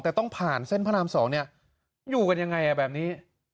แต่ต้องผ่านเส้นพระราม๒เนี่ยอยู่กันยังไงแบบนี้